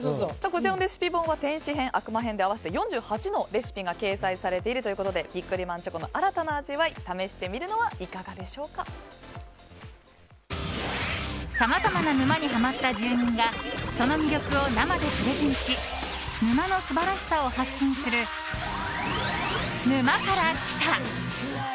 こちらのレシピ本は「天使編」、「悪魔編」合わせて４８のレシピが掲載されているということでビックリマンチョコの新たな味わい試してみるのはさまざまな沼にハマった住人がその魅力を生でプレゼンし沼の素晴らしさを発信する「沼から来た。」。